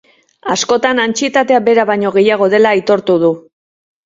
Askotan antsietatea bera baino gehiago dela aitortu du.